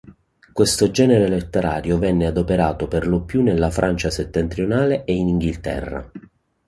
Questo genere letterario venne adoperato perlopiù nella Francia settentrionale e in Inghilterra.